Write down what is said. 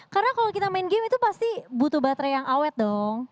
karena kalau kita main game itu pasti butuh baterai yang awet dong